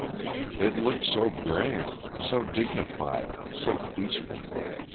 It looked so grand, so dignified, so peaceful.